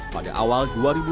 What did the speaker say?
pada awal dua ribu delapan belas